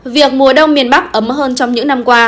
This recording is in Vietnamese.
việc mùa đông miền bắc ấm hơn trong những năm qua